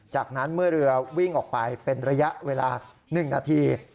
จากนั้นเมื่อเรือวิ่งออกไปเป็นระยะเวลา๑นาที